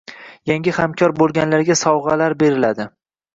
Yangi hamkor bo'lganlarga sovg'alar beriladi.